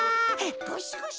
ゴシゴシ。